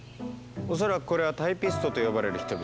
恐らくこれは「タイピスト」と呼ばれる人々だ。